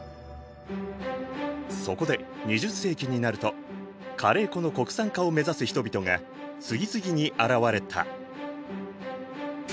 そこで２０世紀になるとカレー粉の国産化を目指す人々が次々に現れた。